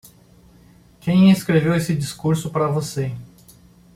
Quem escreveu esse discurso para você?